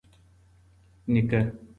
نيکه